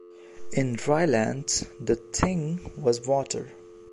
In "Rylands" the "thing" was water.